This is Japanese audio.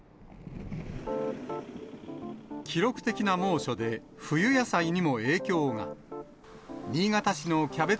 記録的な猛暑で冬野菜にも影響が。